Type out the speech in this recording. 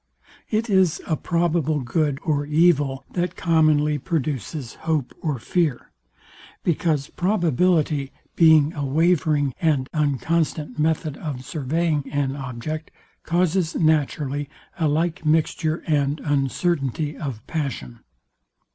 It is a probable good or evil, that commonly produces hope or fear; because probability, being a wavering and unconstant method of surveying an object, causes naturally a like mixture and uncertainty of passion.